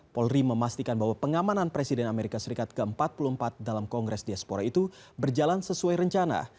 polri memastikan bahwa pengamanan presiden amerika serikat ke empat puluh empat dalam kongres diaspora itu berjalan sesuai rencana